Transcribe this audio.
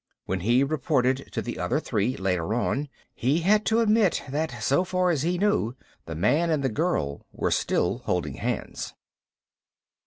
When he reported to the other three, later on, he had to admit that, so far as he knew, the man and the girl were still holding hands.